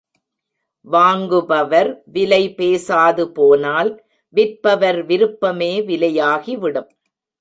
வாங்குபவர் விலை பேசாதுபோனால், விற்பவர் விருப்பமே விலையாகிவிடும்.